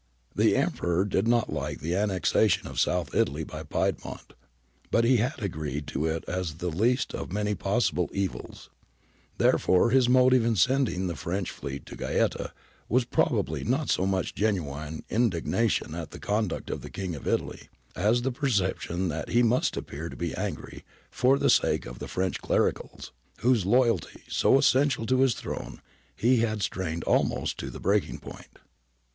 The Emperor did not like the annexation of South Italy by Piedmont, but he had agreed to it as the least of many possible evils I herefore his motive in sending the French fleet to Gaeta was probably not so much genuine indignation at the conduce of the King of Italy, as the perception that he must appear to be angry for the sake of the French Clericals, whose loyalty, so essential to his throne, he had strained almost to breaking point.